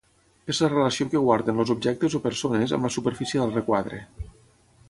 És la relació que guarden els objectes o persones amb la superfície del requadre.